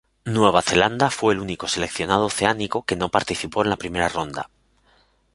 Nueva Zelanda fue el único seleccionado oceánico que no participó en la primera ronda.